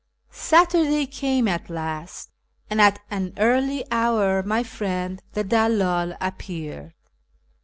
Saturday came at last, and at an early hour my friend the dalh'd appeared.